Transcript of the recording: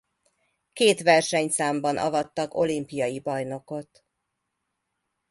Két versenyszámban avattak olimpiai bajnokot.